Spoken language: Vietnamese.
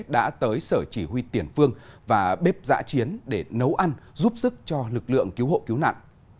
đã tới sở chỉ huy tiền phương và bếp giã chiến để nấu ăn giúp sức cho lực lượng cứu hộ cứu nạn